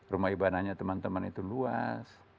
rumah ibadahnya teman teman itu luas